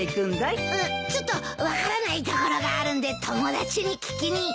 うっちょっと分からないところがあるんで友達に聞きに。